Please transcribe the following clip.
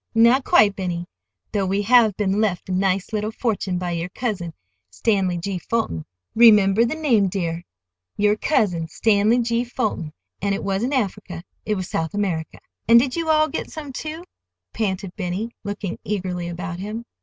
"Not quite, Benny, though we have been left a nice little fortune by your cousin, Stanley G. Fulton—remember the name, dear, your cousin, Stanley G. Fulton. And it wasn't Africa, it was South America." "And did you all get some, too?" panted Benny, looking eagerly about him.